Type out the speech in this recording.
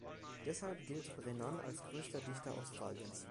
Deshalb gilt Brennan als größter Dichter Australiens.